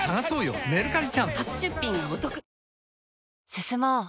進もう。